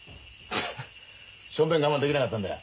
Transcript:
しょんべん我慢できなかったんだ。